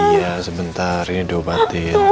iya sebentar ini diobatin